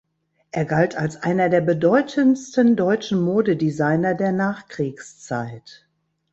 Er galt als einer der bedeutendsten deutschen Modedesigner der Nachkriegszeit.